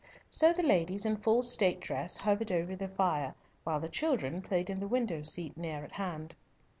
So the ladies, in full state dresses, hovered over the fire, while the children played in the window seat near at hand.